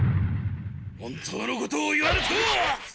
本当のことを言わぬと。